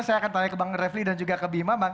saya akan tanya ke bang refli dan juga ke bima